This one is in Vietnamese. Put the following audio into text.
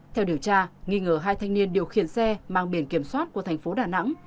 theo điều tra nghi ngờ hai thanh niên điều khiển xe mang biển kiểm soát của tp đà nẵng